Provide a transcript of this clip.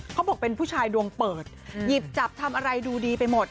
เขาบอกเป็นผู้ชายดวงเปิดหยิบจับทำอะไรดูดีไปหมด